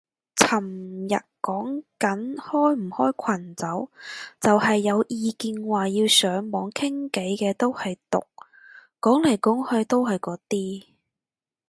尋日講緊開唔開群組，就係有意見話要上網傾偈嘅都係毒，講嚟講去都係嗰啲